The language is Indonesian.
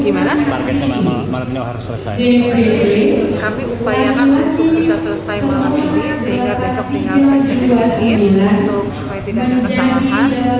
kami upayakan untuk bisa selesai malam ini sehingga besok tinggal sedikit untuk supaya tidak ada kesalahan